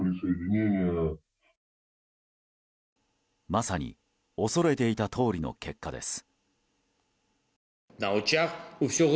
まさに恐れていたとおりの結果です。